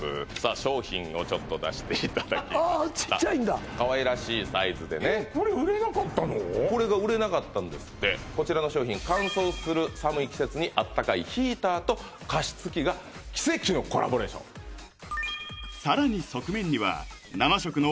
商品をちょっと出していただきましたああちっちゃいんだかわいらしいサイズでねこれが売れなかったんですってこちらの商品乾燥する寒い季節にあったかいヒーターと加湿器が奇跡のコラボレーションさらに